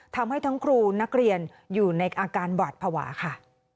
ทำให้ทั้งครูนักเรียนอยู่ในอาการหวาดภาวะค่ะ